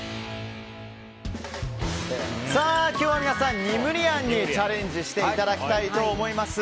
今日は皆さん、ニムリアンにチャレンジしていただきたいと思います。